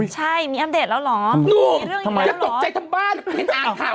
ใช่มีอัมเดตแล้วเหรอ